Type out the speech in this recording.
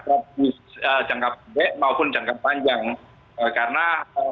strategis jangka pendek maupun jangka panjang karena